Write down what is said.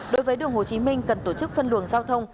đối với đường hồ chí minh cần tổ chức phân luồng giao thông